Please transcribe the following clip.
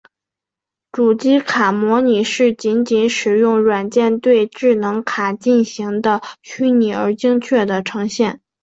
主机卡模拟是仅仅使用软件对智能卡进行的虚拟而精确的呈现。